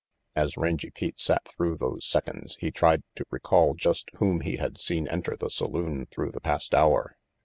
As Rangy Pete sat through those seconds, he tried to recall just whom he had seen enter the saloon through the past hour.